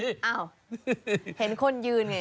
เห็นคนยืนไง